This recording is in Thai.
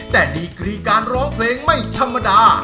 แต่ดีกรีการร้องเพลงไม่ธรรมดา